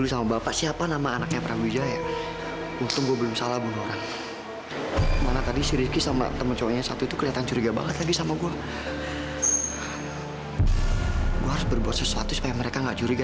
sampai jumpa di video selanjutnya